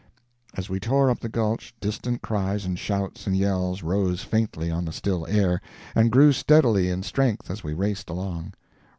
As we tore up the gulch, distant cries and shouts and yells rose faintly on the still air, and grew steadily in strength as we raced along.